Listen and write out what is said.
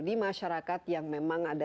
di masyarakat yang memang ada